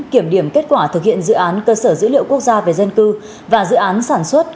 kiểm điểm kết quả thực hiện dự án cơ sở dữ liệu quốc gia về dân cư và dự án sản xuất